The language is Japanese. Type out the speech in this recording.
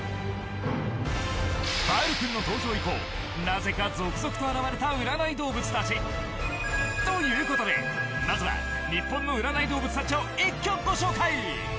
パウル君の登場以降なぜか続々と現れた占い動物たち。ということでまずは日本の占い動物たちを一挙ご紹介。